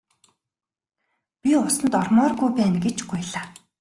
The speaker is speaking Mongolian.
Би усанд ормооргүй байна гэж гуйлаа.